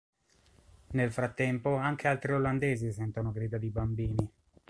Nel frattempo anche altri olandesi sentono grida di bambini.